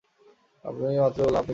আমি মাত্র কী বললাম শোনেননি?